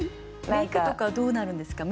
メイクとかどうなるんですか？